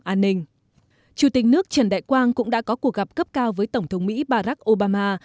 an ninh chủ tịch nước trần đại quang cũng đã có cuộc gặp cấp cao với tổng thống mỹ barack obama